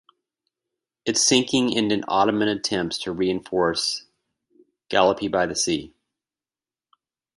Its sinking ended Ottoman attempts to reinforce Gallipoli by sea.